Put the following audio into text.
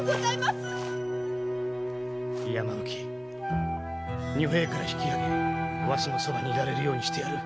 山吹女兵から引き上げわしのそばにいられるようにしてやる。